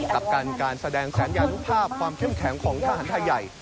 กับการแสดงสัญญานุภาพความเข้มแข็งของทหารไทยใหญ่